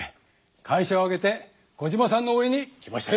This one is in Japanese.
会社を挙げてコジマさんの応えんに来ましたよ！